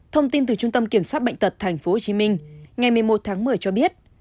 thông tin từ trung tâm kiểm soát bệnh tật tp hcm ngày một mươi một tháng một mươi cho biết